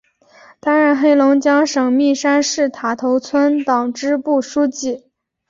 担任黑龙江省密山市塔头村党支部书记。